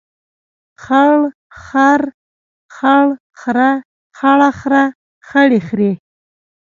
خړ خر، خړ خره، خړه خره، خړې خرې.